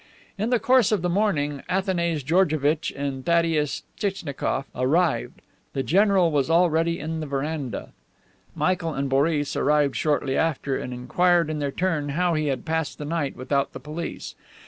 In the course of the morning Athanase Georgevitch and Thaddeus Tchnitchnikof arrived. The general was already in the veranda. Michael and Boris arrived shortly after, and inquired in their turn how he had passed the night without the police.